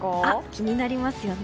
気になりますよね。